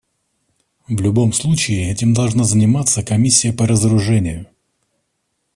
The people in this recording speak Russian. В любом случае этим должна заниматься Комиссия по разоружению.